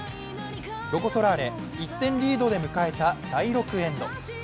ロコ・ソラーレ、１点リードで迎えた第６エンド。